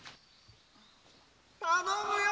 頼むよ！